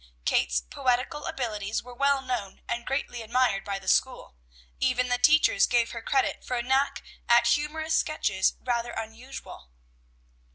Kate's poetical abilities were well known and greatly admired by the school, even the teachers gave her credit for a knack at humorous sketches rather unusual.